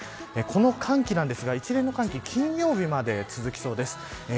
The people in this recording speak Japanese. この寒気ですが、一連の寒気は金曜日まで続きそうです。